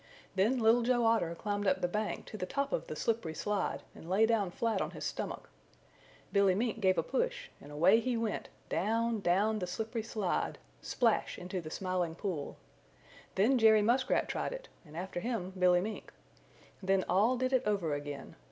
Then Little Joe Otter climbed up the bank to the top of the slippery slide and lay down flat on his stomach. Billy Mink gave a push and away he went down, down the slippery slide, splash into the Smiling Pool. Then Jerry Muskrat tried it and after him Billy Mink. Then all did it over again.